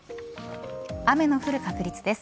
雨の降る確率です。